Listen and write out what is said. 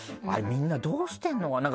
みんなどうしてるのかな？